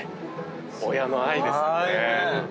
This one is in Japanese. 親の愛ですよね。